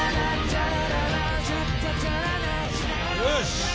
よし。